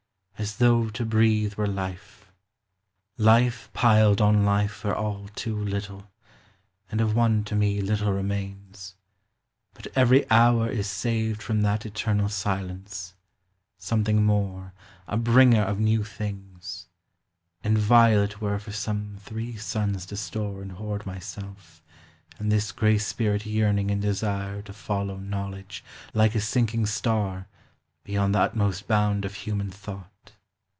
As though to breathe were Life. life piled on life Were all too little, and of one to me Little remains; but every hour is saved From that eternal silence, something more, A bringer of new tilings; and vile it were For some three suns to store and hoard myself, And this gray spirit yearning in desire To follow knowledge, like a sinking star, Beyond the utmost hound of human thought.